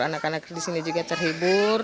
anak anak di sini juga terhibur